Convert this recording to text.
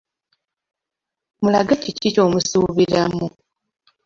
Mulage kiki ky’omusuubiramu.